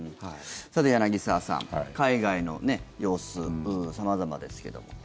さて、柳澤さん海外の様子、様々ですけども。